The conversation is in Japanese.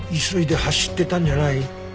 急いで走ってたんじゃない？